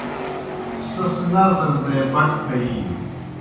سیْس نظر دے بٹ پھیِینوْ۔